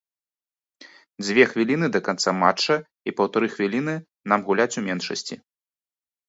Дзве хвіліны да канца матча і паўтары хвіліны нам гуляць у меншасці.